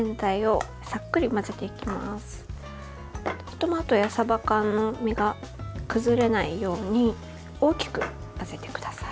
トマトや、さば缶の身が崩れないように大きく混ぜてください。